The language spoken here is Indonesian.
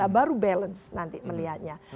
baru balance nanti melihatnya